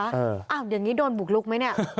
อย่างนี้โดนบุกลุกไหมเนี่ย